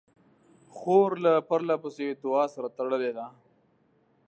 خور له پرله پسې دعا سره تړلې ده.